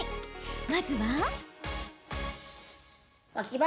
まずは。